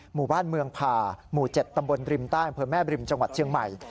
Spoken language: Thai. หมู่บ้านเมืองผ่าหมู่๗ตำบลริมใต้อำเภอแม่บริมจังหวัดเชียงใหม่